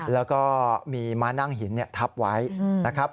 แล้วก็มีม้านั่งหินทับไว้นะครับ